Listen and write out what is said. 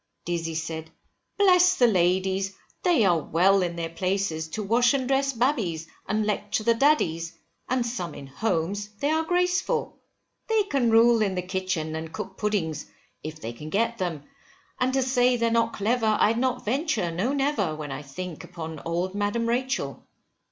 Dizzy said, bless the ladies, they are well in their places, to wash and dress babbies, and lecture the daddies; and some in homes they are graceful. They can rule in the kitchen, and cook puddings if they can get them, and to say they're not clever, I'd not venture, no, never! when I think upon old Madam Rachel.